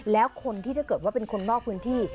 แล้วคนที่ถ้าเกิดว่าเป็นคนนอกพื้นที่